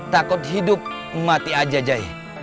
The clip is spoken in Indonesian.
takut hidup mati aja jahe